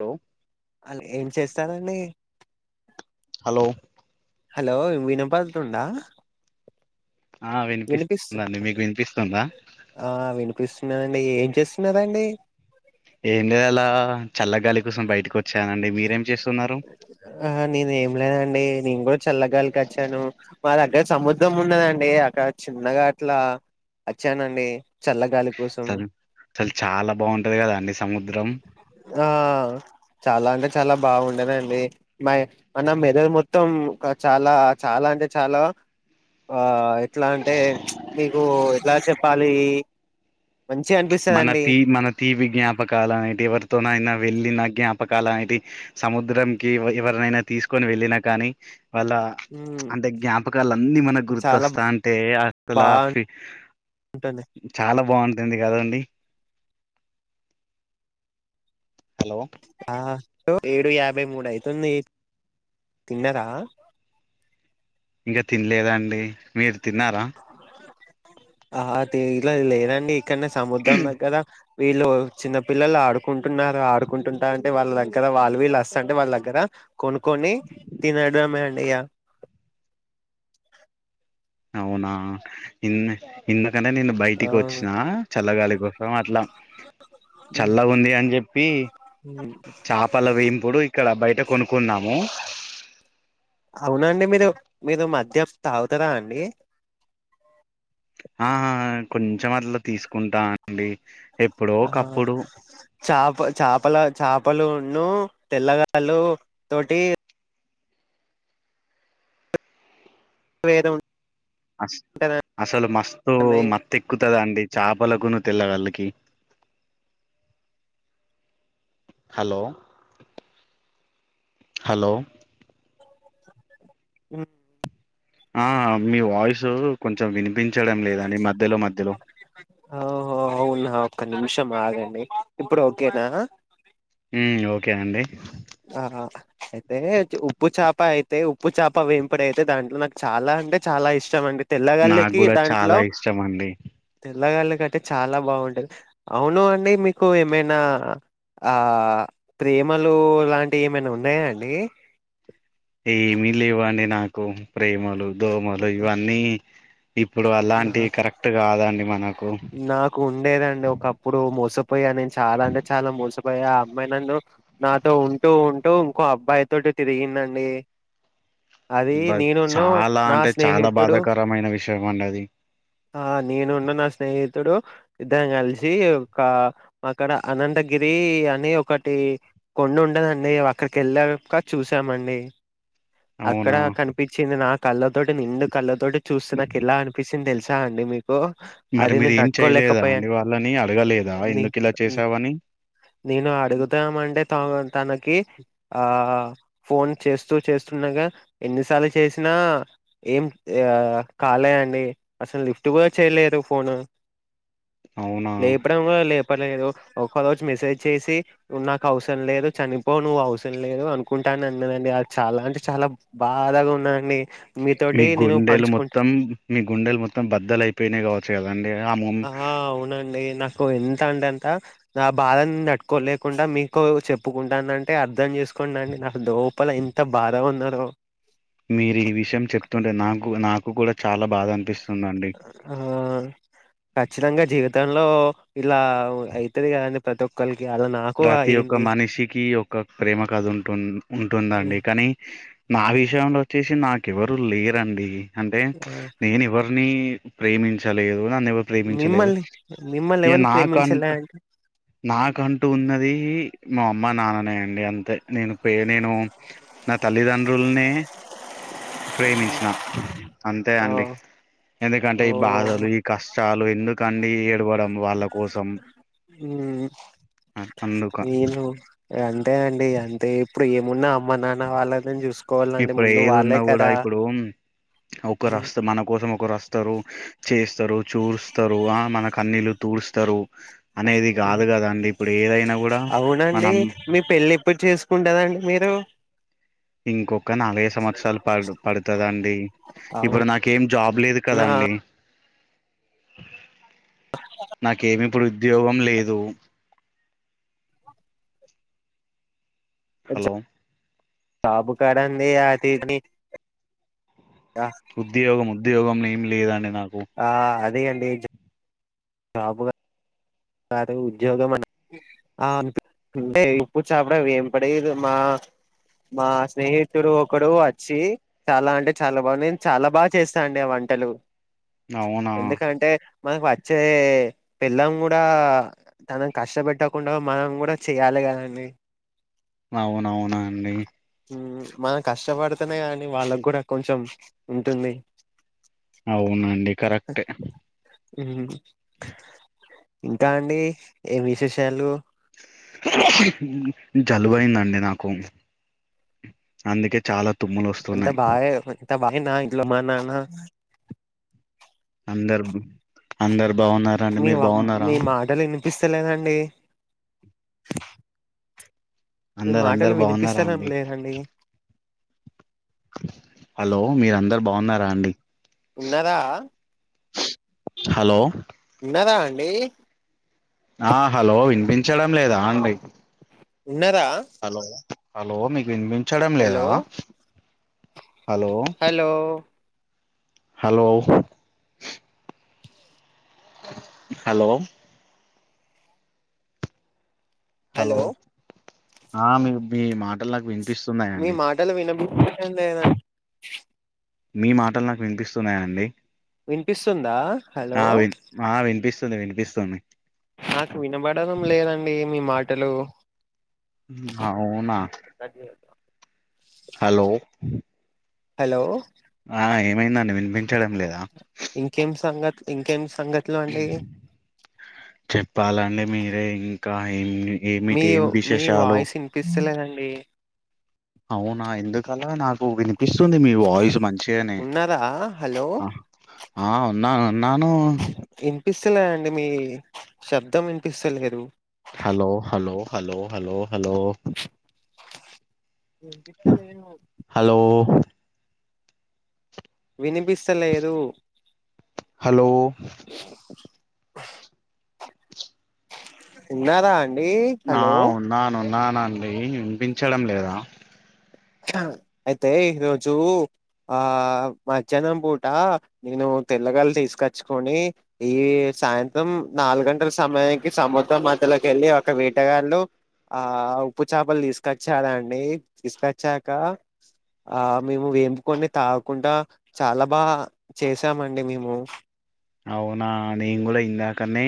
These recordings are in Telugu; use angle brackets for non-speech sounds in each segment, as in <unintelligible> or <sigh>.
హలో అల్ ఏం చేస్తారండి హలో హలో వినపడుతుందా ఆ వినిపిస్ వినిపిస్తుందండి మీకు వినిపిస్తుందా ఆ వినిపిస్ న్నదండీ ఏం చేస్తున్నరండి ఏమి లే అలా చల్లగాలి కోసం బయటకి వచ్చానండి మీరేం చేస్తున్నారు ఆ నేను ఏం లేదండి నేను కూడా చల్లగాలికి అచ్చాను మా దగ్ అంటే సముద్రం ఉన్నదండి అక్కడ చిన్నగా అట్లా వచ్చానండి చల్లగాలి కోసం అసలు అసలు చాలా బాగుంటది కదా అండి సముద్రం ఆ చాలా అంటే చాలా బాగుంది అదండి మ మన మెదడు మొత్తం చాలా చాలా అంటే చాలా ఆ ఎట్లా అంటే మీకు ఎట్లా చెప్పాలి మంచిగా మన అనిపిస్తదండి తీ మన తీపి జ్ఞాపకాలు అనేటివి ఎవరితోనైయినా వెళ్ళి నా జ్ఞాపకలు అనేటివి సముద్రంకి ఎవరినైనా తీసుకొని వెళ్ళినా కానీ వాళ్ళ మ్మ్ అంటే జ్ఞాపకాలు అన్ని మనకు చాలా గుర్తొస్తాంటే అంతలా ఫీ బాగుంటుంది చాలా బాగుంటుంది కదండి హలో ఆ ఏడు యాభై మూడు అయితుంది తిన్నరా ఇంకా తినలేదండి మీరు తిన్నారా ఆ అది ఇట్ల లేదండి ఇక్కడనే సముద్రం దగ్గర వీళ్ళు చిన్న పిల్లలు ఆడుకుంటున్నారు ఆడుకుంటుంటార అంటే వాళ్ళ దగ్గర వాళ్ళు వీళ్ళు వస్త అంటే వాళ్ళ దగ్గర కొనుక్కొని తినడమే ఇగ అవునా ఇన్ ఇందుకనే నేను ఆ బయటికి వచ్చినా చల్లగాలి అందుకోసం అట్లా ఉమ్, చల్ల ఉంది అని చెప్పి ఉమ్. చాపల వేయింపుడు ఇక్కడ బయట కొనుకున్నాము అవునండి మీరు మీరు మధ్య తాగుతారా అండి ఆ కొంచెం అట్లా తీసుకుంటా అండి ఎప్పుడో ఆ ఒకప్పుడు చాప చాపల చేపలును తెల్ల గళ్ళు తోటి వేద ఉంది అస్ అసలు మస్తుత్ మత్ ఎక్కుతుద అండి చేపలలకును తెల్లవాళ్ళకి హలో హలో ఉ ఆ మీ వాయిసు కొంచెం వినిపించడం లేదు మధ్యలో మధ్యలో ఓహో అవునా ఒక్క నిమిషం ఆగండి ఇప్పుడు ఓకేనా ఉ ఓకే అండి ఆ అయితే ఉప్పు చేప అయితే ఉప్పు చేప వేంపుడి అయితే దాంట్లో నాకు చాలా అంటే చాలా ఇష్టం అండి నాకు తెల్లగల్లికి కూడా దాంట్లో చాలా ఇష్టం అండి తెల్ల కళ్ళు కట్టే చాలా బాగుంటది అవును అండి మీకు ఏమైనా ఆ ప్రేమలు లాంటివి ఏమైనా ఉన్నాయా అండి ఏమి లేవండి నాకు ప్రేమలు దోమలు ఇవన్నీ ఇప్పుడు అలాంటివి నాకు కరెక్ట్ కాదండి మనకు నాకు ఉండేదండి ఒకప్పుడు మోసం పోయా నేను చాలా అంటే చాలా మోసిపోయా అమ్మాయి నన్న నాతో ఉంటూ ఉంటూ ఇంకో అబ్బాయితోటి తిరిగిందండి అది బట్ నేనున్న చాలా నా అంటే చాలా స్నేహితుడు బాధాకరమైన విషయం అండి అది ఆ నేనున్న నా స్నేహితుడు ఇద్దరం కలిసి ఒక అక్కడ అనంతగిరీ గిరి అని ఒకటి కొండ ఉండదండి అక్కడికి వెళ్ళాక చూసామండి అవునా అక్కడ కనిపించింది నా కళ్ళతోటి నిండు కళ్ళతోటి చూస్త నాకు ఎలా అనిపిస్తుది తెలుస వచ్చా అండి మీకు అ మరి అది నీ మీరు ఏం చేయలేదా తట్కలేకపోయా అండి వాళ్ళని అడగలేదా న ఎందుకు ఇలా చేసావని నేను అడుగుతామంటే త తనకి ఆ ఫోన్ చేస్తూ చేస్తూ చిన్నగా ఎన్నిసార్లు చేసినా ఏం కాలే అండి అసలు టు చేయలేదు ఫోను అవునా లేపడం చెప్పలేదు ఒక రోజు మెసేజ్ చేసి నాకు అవసరం లేదు చనిపో నువ్వు అని అన్నదండి అ చాలా అంటే చాలా బాధాగా వున్నదండి మీ గుండెలు మొత్తం మీ గుండెలు మొత్తం బద్దలు అయిపోయినయి కావచ్చు కదండి ఆ మం అ అవునండి నాకు ఎంత అంటేంత నా బాధని తట్టుకోలేకుండా మీకు చెప్పుకుంటాంనంటే అర్థం చే చేసుకోం అండి నాకు లోపల ఎంత బాధ ఉన్నదొ మీరు ఈ విషయం చెప్తుంటే నాకు నాకు గుడా చాలా బాధ అనిపిసుదండి ఆ ఖచ్చితంగా జీవితంలో ఇలా అయితది కదండి ప్రతి ఒక్కల్ ప్రతి ఒక్క మనిషికి ఒక ప్రేమ కద ఉంటు ఉంటుందండి కానీ మా విషయం లో వచ్చేసి నాకేవరు లేరండి అంటే ఆ, నేను ఎవరిని నన్ను ఎవరు ప్రేమించలేదు మిమ్మల్ని మిమ్మల్ని ఇగ ఎవరిని ప్రేమించలే కంటు అంటే నా కంట అది మా అమ్మ నాన్ననే అండి అంతే నేను నేను నా తల్లిదండ్రుల్నే ప్రేమించిన అంతే ఓ అండి ఓ ఎందుకంటే ఈ బాధలు ఈ కష్ టాలు ఎందుకండి ఏడవడం వాళ్ళ కోసం హ్మ్ అ- అందుక నేను అంతే అండి ఇగ అంతే ఇప్పుడు ఏ మోన్న అమ్మ నాన్న వాళ్ళదని చూసు ఇప్పుడు ఏది ఉన్నా గుడా ఇప్పుడు ఒక ఉమ్, రస్త మన కోసం ఒక రస్ తరు చేస్తరు చూస్తరు అ మన కన్నీళ్లు తూడుస్తారు అనేది ఉమ్. గాదు గదాండి ఇప్పుడు ఏదైనా గుడా అవునండి మనం మీ పెళ్ళి ఎప్పుడు చేసుకుంటరండి మీరు ఇంకొక నలగై సంవత్సరాలు పాడు పడుతదండి. ఇప్పుడు నాకేమీ జాబు లేదు కదండీ అ <inaudible> నాకేమి ఉద్యోగం లేదు హలో జాబు కదా అండి ఆ తీస్ని <unintelligible> ఉద్యోగం ఉద్యోగం ఏం లేదండి నాక్ అ అది అండి జెప్ రాపుగ తత ఉద్యోగం అని అంటే ఇప్పుడు చపడం ఏం పడదు మా <unintelligible> మా స్నేహితుడు ఒకడు వచ్చి చాలా అంటే చాలా బాగు నేను చాలా బాగా చేస్తా అండి వం టలు అవునా ఎందుకంటే మనకు వచ్చే పెళ్ళాం గుడ్ డా తనని కష్ట పెట్టకుండా మనం కూడా చేయాలి గదండి అవునవున అండి హ్మ్ మనం కష్టపడతేనే కదండి వాళ్ళగ్ గూడా కొంచెం ఉంటుంది అవునండి కరెక్టే ఇంక అండి ఏమ్ విశేషాలు జలుబు అయింది అండి నాకు అందుకే చాలా తుమ్ములు అంత వస్తున్నాయి బాగే అంత బాగేనా ఇంట్లో మా నాన్న అందరు అందరు బావున్నారా అండి మీరు బాగున్నారా పిస్తలేదండి మీ అందరు మాటలు అందరు బాగున్నారా వినిపిస్తాడం అండి లేదండి హలో మీరందరు బావున్నర అండి ఉన్నదా హలో నద అండి అ హలో వినిపించడం లేదా అండి తిన్నారా హలో హలో మీకు వినిపించడం లేదా hello hello hello hello hello ఆ మీ మీ మాటలు నాకు వి మీ మాటలు వినిపించలే లేేనా మీ మాటలు నాకు వినిపిస్తున్నాయా అండి వినిపిస్తుందా హలో ఆ వి ఆ వినిపిస్తుంది వినిపిస్తుంది నాకు వినబడడం లేదండి మీ మాటలు అవునా హలో హలో ఆ ఏమైందంని వినిపించడం లేదా ఇంకేమి సంగతి ఇంకేమి సంగతులు అండి చెప్పాలండి మీరే ఇంకా ఏం మీ ఏమిటి ఏం మీ విశేషాలు వాయిస్ వినిపిస్తలేదండి అవునా ఎందుకలా నాకు వినిపిస్తుంది మీ వాయిస్ మంచిగానే ఉన్నదా హలో ఆ ఆ ఉన్నాను ఉన్నాను ఛలే అండి మీ శబ్దం వినిపిస్తలేదు hello hello hello hello hello వినిపింతలేదు హలో వినిపిస్తలేదు హలో ఉన్నారా ఆ ఉన్నాను ఉన్నానండి వినిపించడం లేదా అయితే ఈ రోజు ఆ మాధ్యాహ్నం పూట నేను తెల్లగాలు తీసుకొచ్చుకొని ఈ సాయంత్రం నాలుగు గంటల సమయానికి సముద్రం అ అందులోకెళ్ళి ఒక వీటగాళ్ళు ఆ ఉప్పు చేపలు తీసుకొచ్చారుండి తీసుక చాకా ఆ మేము వేంపుకొని తాగకుండా చాలా బా చేసామండి మేము మే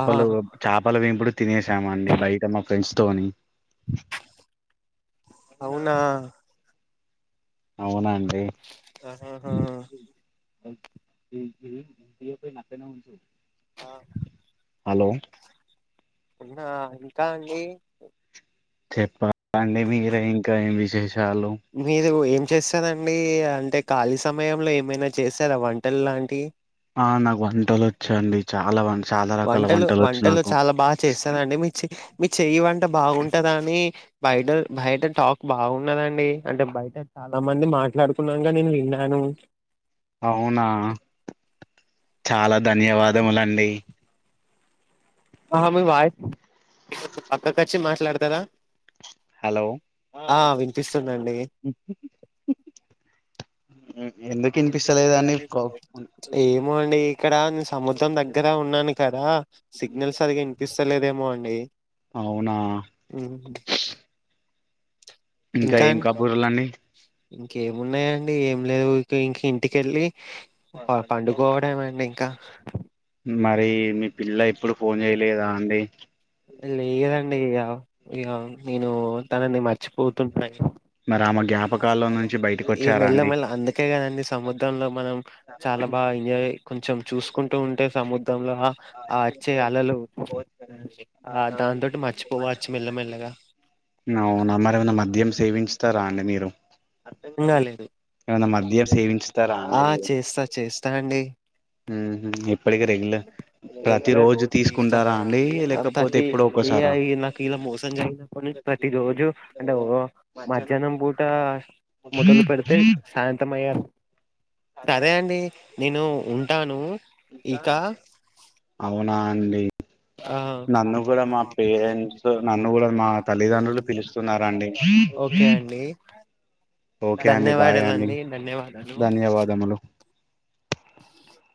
ఆ చాపల వేంపుడు తినేసాం అండి బయట మా ఫ్రెండ్స్ తోని అవునా అవునాండి ఆహాహా పై నాపే మధ్యన ఉంచు ఆ హలో ఉన్నా ఇంకా అండి చెప్ప అండి మీరే ఇంకా ఏం విశేష్ మీరు ఏం చేసి కదండి అంటే ఖాళీ సమయంలో ఏమైనా చేసారా వంటలు లాంటి ఆ నాకు వంటలు వచ్చాండి చాలా వంటలు వంటలు చాలా బాగా చేస్తారుండి మీ చె మీ చెయ్యి వంట బాగుంటది అని బయట బయట టాక్ బాగున్నదండి అంటే బయట చాలా మంది మాట్లాడుకున్నాక నేను విన్నాను వింక్ అవునా చాలా ధన్యవాదములండి ఆహా మీ వాయి పక్కకి వచ్చి మాట్లాడుతారా హలో హ్మ్, ఎందుకు ఇనిపిస్తలేదండి కో ఏమో అండి ఇక్కడ నేను సముద్రం దగ్గర ఉన్నాను కాదా సిగ్నల్స్ సరిగా ఇనిపిస్తలేదేమో అండి అవునా హ్మ్మ్ ఇంకా ఏం కబూర్లండి ఇంకేమున్నాయండి ఏం లేదు ఇ ఇంకా ఇంటికెళ్ళి టైం పండుకోవడంమండి కా మరి మీ పిల్ల ఎప్పుడు ఫోన్ చేయలేదా అండి లేదండి ఇగా ఇగా నేను తనని మర్చిపోతుంటన్నా మరి ఆమె జ్ఞాపకాల్లో నుంచి ఈ బయటకొచ్చారా మెల్ల అండి మెల్ల అందుకే కదండి సముద్రంలో మనం చాలా బాగా ఎంజాయ్ కొంచెం చూసుకుంటూ ఉంటే సముద్రంలో ఆ వచ్చే అలలు ఆ దాంతోటి మర్చిపోవచ్చు మెల్లమెల్లగా నవునా మరి ఏమన్నా మద్యం సేవించుతారా అండి మీరు అర్థం ఇంకా కాలే లేదు ఏమన్నా మద్యం సేవించుతారా అండి ఆ మీరు చేస్తా చేస్తా అండి ఇప్పటికి రెగ్యులర్ ప్రతి రెగ్యులర్ రోజు తీసుకుంటారా అండి లేకపోతే ప్రతి ఎప్పుడో ఒక్కసారా ఇగ నాకు ఇలా మోసం జరిగినప్ప నుంచి ప్రతి రోజు అంటే ఓ మధ్యాహ్నం పూట మొదలు పెడితే సాయంత్రం అయ్యా సరే అండి నేను ఉంటాను ఇక అవునా అండి ఆ నన్ను కూడా మా పేరెంట్స్ నన్ను కూడా మా తల్లిదండ్రులు పిలుస్తున్నారండి ఓకే అండి ఓకే అండి బాయ్ అండి ధన్యవాదలండి ధన్యవాదాలు ధన్యవాదములు